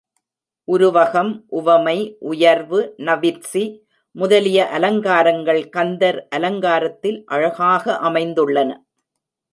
உருவகம், உவமை, உயர்வு நவிற்சி முதலிய அலங்காரங்கள் கந்தர் அலங்காரத்தில் அழகாக அமைந்துள்ளன.